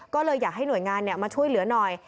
ก็เลยอยากให้หน่วยงานมาช่วยเหลือหน่อย